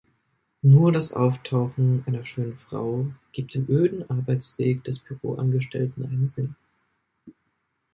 Nur das Auftauchen einer schönen Frau gibt dem öden Arbeitsweg des Büroangestellten einen Sinn.